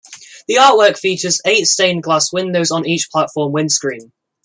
The artwork features eight stained glass windows on each platform windscreen.